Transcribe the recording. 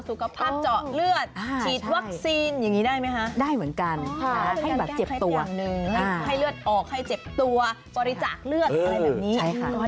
ตัวสุขภาพเจาะเลือดฉีดวัคซีนอย่างนี้ได้ไหมคะ